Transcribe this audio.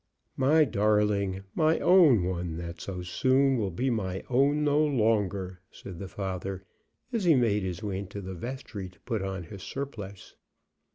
"My darling, my own one, that so soon will be my own no longer!" said the father, as he made his way into the vestry to put on his surplice.